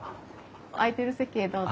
空いてる席へどうぞ。